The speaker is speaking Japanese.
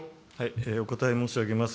お答え申し上げます。